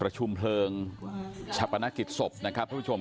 เสียงที่ลงได้พาพักไป